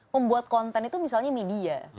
membuat konten itu misalnya media